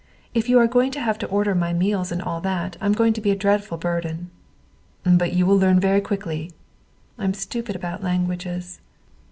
If you are going to have to order my meals and all that, I'm going to be a dreadful burden." "But you will learn very quickly." "I'm stupid about languages."